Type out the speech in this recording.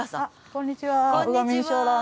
こんにちは。